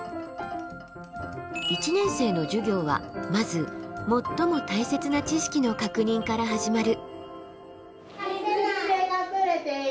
１年生の授業はまず最も大切な知識の確認から始まる。